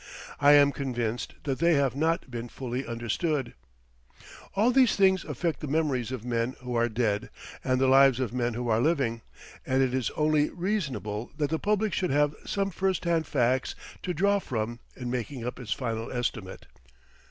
I am convinced that they have not been fully understood. All these things affect the memories of men who are dead and the lives of men who are living, and it is only reasonable that the public should have some first hand facts to draw from in making up its final estimate.